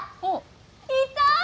いた！